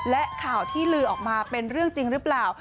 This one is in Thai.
และข่าวที่ลือออกมาเป็นเรื่องจริงหรือเปล่า